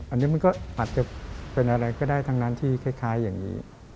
อันนี้มันก็อาจจะเป็นอะไรก็ได้ทั้งนั้นที่คล้ายอย่างนี้